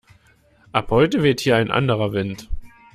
Ab heute weht hier ein anderer Wind!